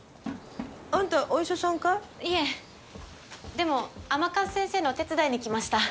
でも甘春先生のお手伝いに来ました。